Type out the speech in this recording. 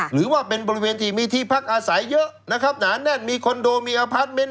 หรือว่าเป็นบริเวณที่มีที่พักอาศัยเยอะนะครับหนาแน่นมีคอนโดมีอพาร์ทเมนต์